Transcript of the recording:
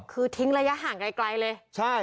คือทิ้งระยะห่างไกลเลย